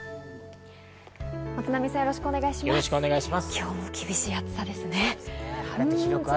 今日も厳しい暑さですね。